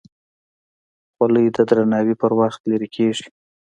خولۍ د درناوي پر وخت لرې کېږي.